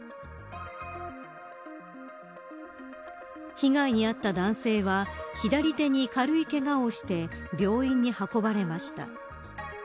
被害に遭った男性は左手に軽いけがをして病院に運ばれました。